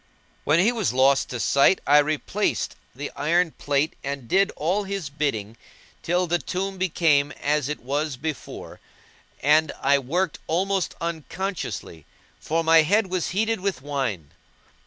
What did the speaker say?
When he was lost to sight I replaced the iron plate and did all his bidding till the tomb became as it was before and I worked almost unconsciously for my head was heated with wine.